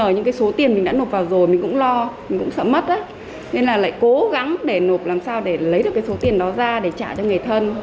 nên là lại cố gắng để nộp làm sao để lấy được cái số tiền đó ra để trả cho người thân